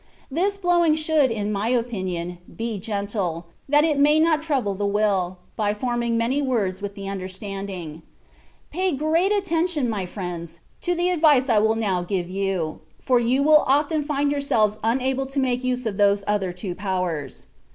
This blowing should, in my opinion, be gentle, that it may not trouble the will, by forming many words with the understanding. Pay great atten tion, my friends, to the advice I will now give you ; for you will often find yourselves unable to make use of those other two powers.